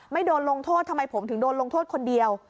ไม่โดนลงโทษทำไมผมถึงโดนลงโทษคนเดียว